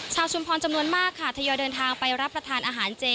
ชุมพรจำนวนมากค่ะทยอยเดินทางไปรับประทานอาหารเจ